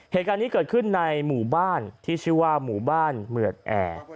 เหตุการณ์นี้เกิดขึ้นในหมู่บ้านที่ชื่อว่าหมู่บ้านเหมือดแอร์